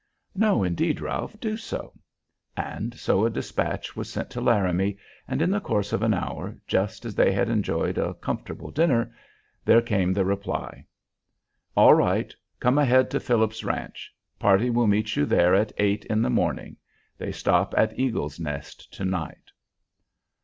"No, indeed, Ralph. Do so." And so a despatch was sent to Laramie, and in the course of an hour, just as they had enjoyed a comfortable dinner, there came the reply, "All right. Come ahead to Phillips's Ranch. Party will meet you there at eight in the morning. They stop at Eagle's Nest to night."